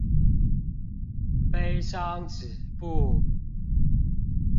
悲傷止步